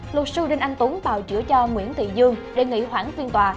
luật sư đinh anh tú bào chữa cho nguyễn thị dương đề nghị hoãn phiên tòa